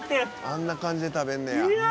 「あんな感じで食べんねや」